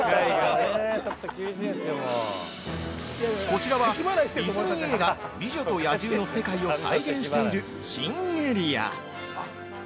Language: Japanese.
◆こちらは、ディズニー映画「美女と野獣」の世界を再現している新エリア。